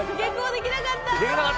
できなかったな。